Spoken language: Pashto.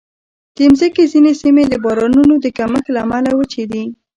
د مځکې ځینې سیمې د بارانونو د کمښت له امله وچې دي.